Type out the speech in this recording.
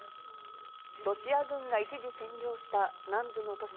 ロシア軍が一時占領した南部の都市